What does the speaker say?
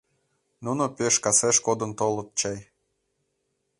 Нуно пеш касеш кодын толыт чай.